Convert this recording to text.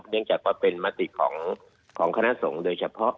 เนื่องจากมติของขนาดทรงโดยเฉพาะ